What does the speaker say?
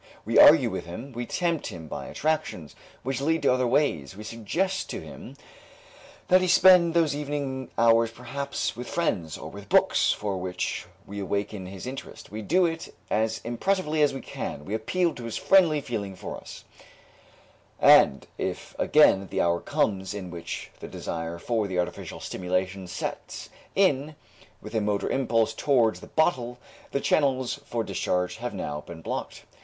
We argue with him, we tempt him by attractions which lead to other ways, we suggest to him that he spend those evening hours perhaps with friends or with books for which we awaken his interest; we do it as impressively as we can, we appeal to his friendly feeling for us; and if again the hour comes in which the desire for the artificial stimulation sets in with a motor impulse towards the bottle, the channels for discharge have now been blocked.